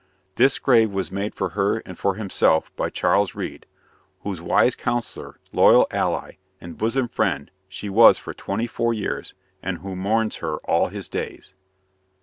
This grave was made for her and for himself by Charles Reade, whose wise counselor, loyal ally, and bosom friend she was for twenty four years, and who mourns her all his days.